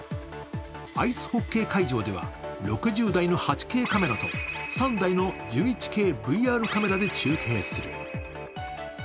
アイスホッケー会場では６０台の８Ｋカメラと３台の１１ＫＶＲカメラで中継する。